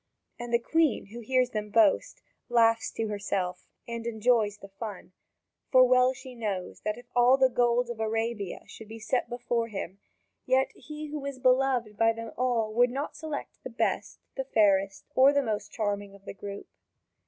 And the Queen, who hears them boast, laughs to herself and enjoy the fun, for well she knows that if all the gold of Arabia should be set before him, yet he who is beloved by them all would not select the best, the fairest, or the most charming of the group.